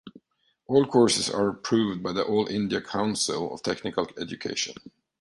All courses are approved by the All India Council of Technical Education.